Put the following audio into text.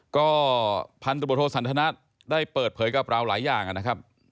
ก็พันธบทโทสันทนัทได้เปิดเผยกับเราหลายอย่างนะครับ